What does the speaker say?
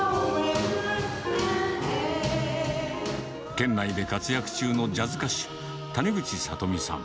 県内で活躍中のジャズ歌手、谷口さとみさん。